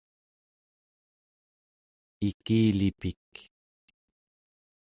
ikilipik